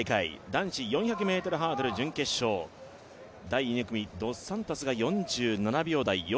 男子４００ｍハードル準決勝第２組ドス・サントスが４７秒台。